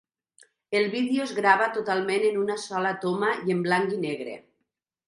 El vídeo es grava totalment en una sola toma i en blanc i negre.